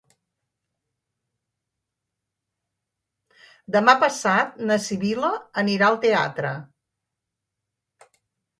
Demà passat na Sibil·la anirà al teatre.